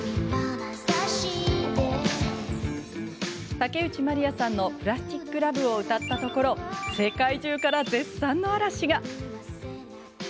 竹内まりやさんの「プラスティック・ラヴ」を歌ったところ世界中から絶賛の嵐が。